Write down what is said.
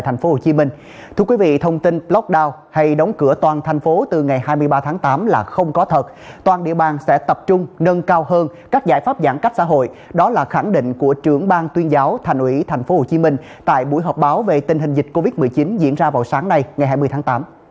thành ủy tp hcm tại buổi họp báo về tình hình dịch covid một mươi chín diễn ra vào sáng nay ngày hai mươi tháng tám